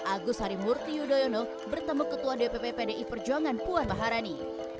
agus harimurti yudhoyono bertemu ketua dpp pdi perjuangan puan maharani